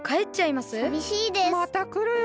またくるよ。